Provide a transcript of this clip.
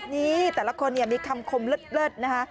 นี่แต่ละคนมีคำคมเลิศนะคะ